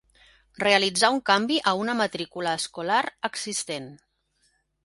Realitzar un canvi a una matrícula escolar existent.